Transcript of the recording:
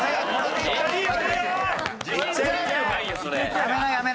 やめなやめな。